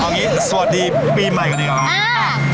เอางี้สวัสดีปีใหม่ก่อนหนึ่งครับ